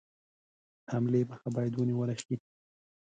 حملې مخه باید ونیوله شي.